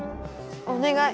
お願い！